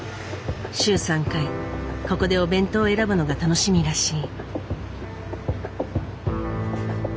週３回ここでお弁当を選ぶのが楽しみらしい。